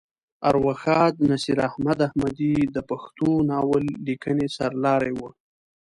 ارواښاد نصیر احمد احمدي د پښتو ناول لیکنې سر لاری وه.